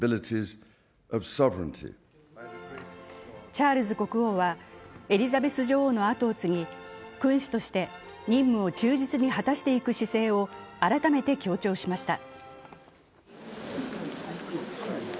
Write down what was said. チャールズ国王はエリザベス女王の跡を継ぎ君主として任務を忠実に果たしていく姿勢を改めて強調しました。